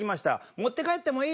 持って帰ってもいい？